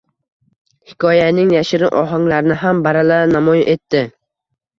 Hikoyaning yashirin ohanglarini ham baralla namoyon etdi.